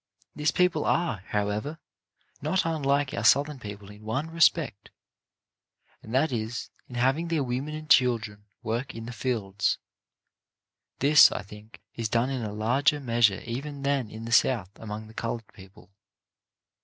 These people are, however, not unlike our Southern people in one respect, and that is in having their women and children work in the fields. This, I think, is done in a larger measure even than in the South among the coloured people.